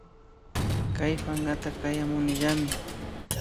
Kayta pankata Kachamunillami